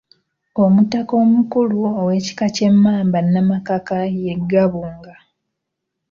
Omutaka omukulu ow’ekika ky’Emmamba Nnamakaka ye Gabunga.